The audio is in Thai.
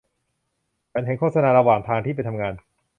ฉันเห็นโฆษณาระหว่างทางที่ไปทำงาน